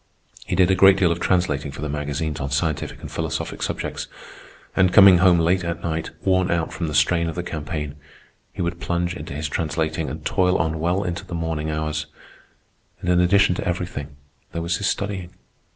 He did a great deal of translating for the magazines on scientific and philosophic subjects; and, coming home late at night, worn out from the strain of the campaign, he would plunge into his translating and toil on well into the morning hours. And in addition to everything, there was his studying.